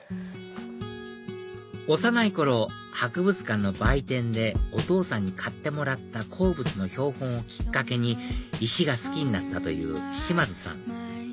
幼い頃博物館の売店でお父さんに買ってもらった鉱物の標本をきっかけに石が好きになったという島津さん